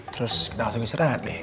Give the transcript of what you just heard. terus kita langsung istirahat deh